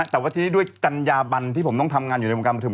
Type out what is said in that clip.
แต่ว่าทีนี้ด้วยจัญญาบันที่ผมต้องทำงานอยู่ในวงการบันทึม